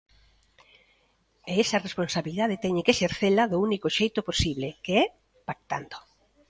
E esa responsabilidade teñen que exercela do único xeito posible, que é pactando.